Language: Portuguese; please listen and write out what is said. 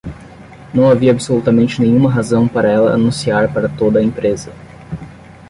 Não havia absolutamente nenhuma razão para ela anunciar para toda a empresa.